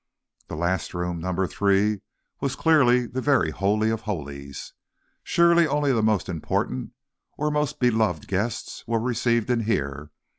The last room, number three, was, clearly, the very holy of holies. Surely, only the most important or most beloved guests were received in here.